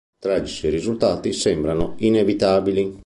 Tragici risultati sembrano inevitabili.